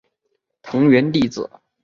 藤原丽子